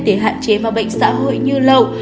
để hạn chế vào bệnh xã hội như lậu